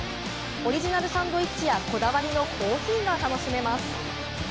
オリジナルサンドイッチや、こだわりのコーヒーが楽しめます。